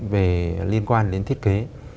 về liên quan đến thiết kế